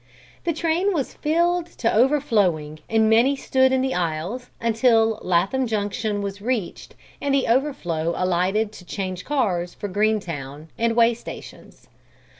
The train was filled to overflowing and many stood in the aisles until Latham Junction was reached and the overflow alighted to change cars for Greentown and way stations.